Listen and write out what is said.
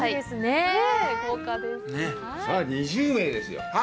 さあ２０名ですよ。